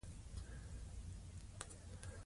هګۍ خام خوړل سپارښتنه نه کېږي.